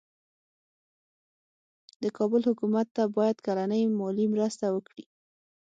د کابل حکومت ته باید کلنۍ مالي مرسته ورکړي.